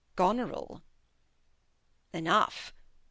Goneril. Enough !